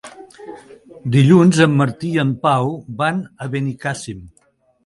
Dilluns en Martí i en Pau van a Benicàssim.